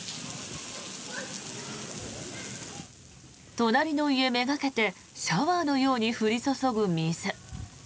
隣の家目掛けてシャワーのように降り注ぐ水。